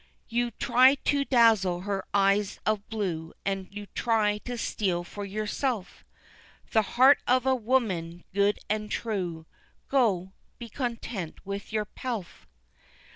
You try to dazzle her eyes of blue, And you try to steal for yourself The heart of a woman good and true, Go, be content with your pelf.